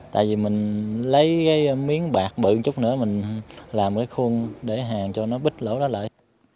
tại vì mình lấy miếng bạc bự chút nữa mình làm cái khuôn để hàng cho nó bích lỗ đó lại